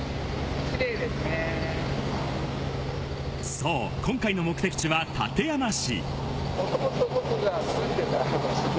そう、今回の目的地は館山市。